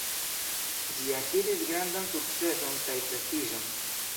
Ĝi akiris grandan sukceson kaj prestiĝon.